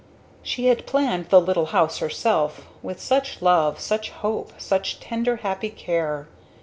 She had planned the little house herself, with such love, such hope, such tender happy care!